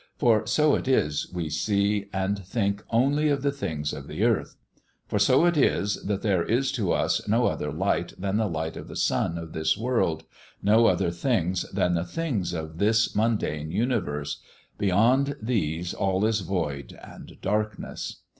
For so it is, we see and think only of the things of the earth; for so it is that there is to us no other light than the light of the sun of this world, no other things than the things of this mundane universe beyond these all is void and darkness.